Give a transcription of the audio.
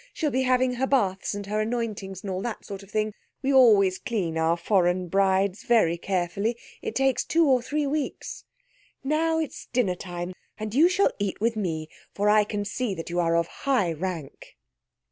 She'll be having her baths and her anointings, and all that sort of thing. We always clean our foreign brides very carefully. It takes two or three weeks. Now it's dinnertime, and you shall eat with me, for I can see that you are of high rank."